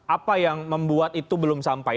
apa yang membuat itu belum sampai